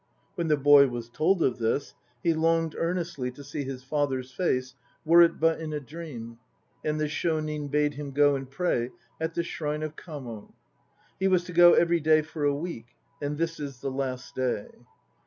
When the boy was told of this, he longed earnestly to see his father's face, were it but in a dream, and the Shonin bade him go and pray at the shrine of Kamo. He was to go every clav for a week, and this is the last day.